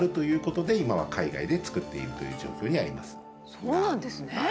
そうなんですね。